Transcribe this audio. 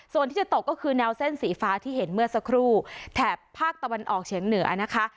ส่วนที่จะตกก็คือแนวเส้นสีฟ้าที่เห็นเมื่อสักครู่แถบภาคตะวันออกเฉียงเหนือนะคะ